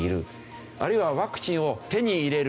あるいはワクチンを手に入れる。